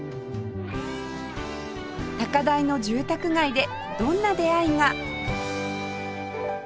高台の住宅街でどんな出会いが？